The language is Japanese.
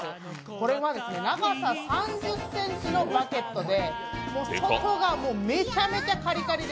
これは長さ３０ｃｍぐらいのバゲットで、外はめちゃめちゃカリカリで。